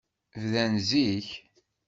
Bdan zik.